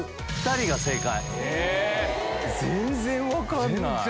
全然分かんない！